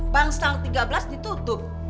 bangsang tiga belas ditutup